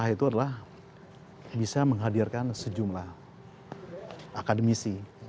itu adalah bisa menghadirkan sejumlah akademisi